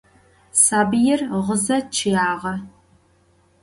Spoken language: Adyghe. Sabıir ğıze ççıyağe.